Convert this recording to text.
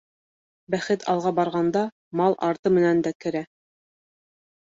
Бәхет алға барғанда, мал арты менән дә керә.